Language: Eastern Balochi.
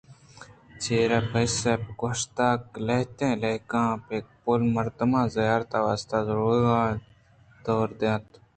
چرے پس ءِ گوشتاں لہتیں الکاپیں پُل مردماں زیارت ءِ واستہ روغناں دئور دات